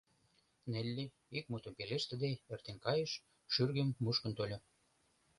Нелли, ик мутым пелештыде, эртен кайыш, шӱргым мушкын тольо.